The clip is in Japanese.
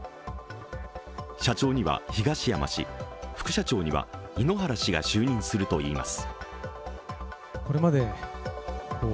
社長には東山氏、副社長には井ノ原氏が就任するといいます。